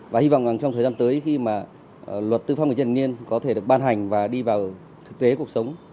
và hy vọng trong thời gian tới khi mà luật tư pháp người trưởng thành niên có thể được ban hành và đi vào thực tế cuộc sống